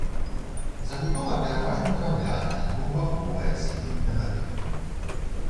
Забудова пераважна драўляная, двухбаковая, сядзібнага тыпу.